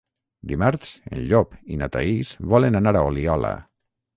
Dimarts en Llop i na Thaís volen anar a Oliola.